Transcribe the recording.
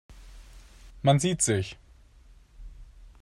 Man sieht sich.